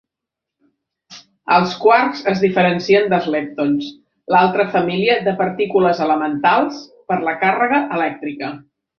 Els quarks es diferencien dels leptons, l'altra família de partícules elementals, per la càrrega elèctrica.